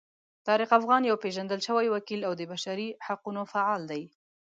طارق افغان یو پیژندل شوی وکیل او د بشري حقونو فعال دی.